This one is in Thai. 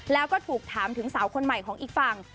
แล้วก็ถูกถามถึงสาวคนใหม่ของอีกฝั่ง